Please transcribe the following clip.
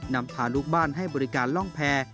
นำพาลูกบ้านให้บริการล่องแพร